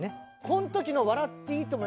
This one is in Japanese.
この時の『笑っていいとも！』